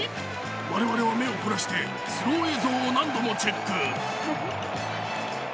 我々は目を凝らしてスロー映像を何度もチェック。